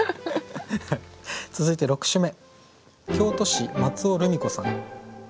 続いて６首目。